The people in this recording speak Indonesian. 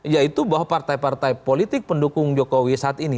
yaitu bahwa partai partai politik pendukung jokowi saat ini